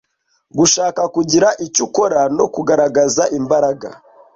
gushaka kugira icyo ukora no kugaragaza imbaraga